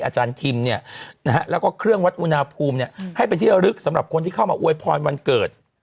อาจารย์ทิมแล้วก็เครื่องวัดอุณหภูมิให้เป็นที่ระลึกสำหรับคนที่เข้ามาอวยพรวันเกิด